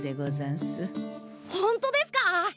ほんとですか！？